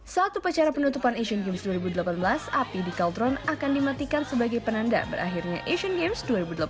saat upacara penutupan asian games dua ribu delapan belas api di kaltron akan dimatikan sebagai penanda berakhirnya asian games dua ribu delapan belas